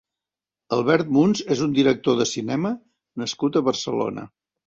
Albert Muns és un director de cinema nascut a Barcelona.